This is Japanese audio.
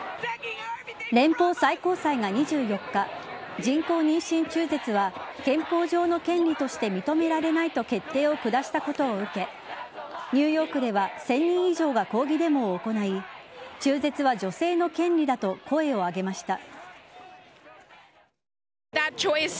連邦最高裁が２４日人工妊娠中絶は憲法上の権利として認められないと決定を下したことを受けニューヨークでは１０００人以上が抗議デモを行い中絶は女性の権利だと声を上げました。